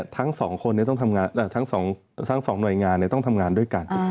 ทั้งสองหน่วยงานต้องทำงานถึงกัน